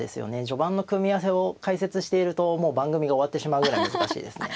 序盤の組み合わせを解説しているともう番組が終わってしまうぐらい難しいですね。